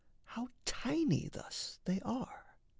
How tiny thus they are!